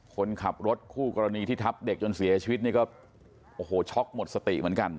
คนขับรถคู่กรณีที่ทับเด็กจนเสียชีวิตนี่ก็โอ้โหช็อกหมดสติเหมือนกัน